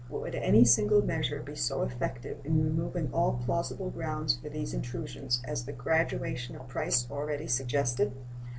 Would any single measure be so effective in removing all plausible grounds for these intrusions as the graduation of price already suggested?